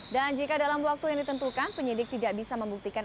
dan jika dalam waktu yang ditentukan penyidik tidak bisa membuktikan